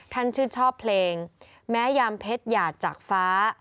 ชื่นชอบเพลงแม้ยามเพชรหยาดจากฟ้า